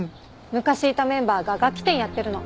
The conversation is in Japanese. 昔いたメンバーが楽器店やってるの。